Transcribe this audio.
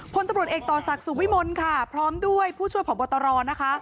พลตำรวจเอกต่อศักดิ์สุวิมลค่ะพร้อมด้วยผู้ช่วยผอบตรนะคะ